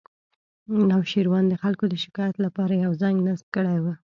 نوشیروان د خلکو د شکایت لپاره یو زنګ نصب کړی و